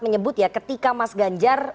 menyebut ya ketika mas ganjar